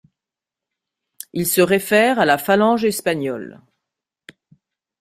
Il se réfère à la Phalange espagnole.